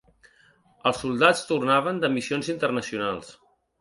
Els soldats tornaven de missions internacionals.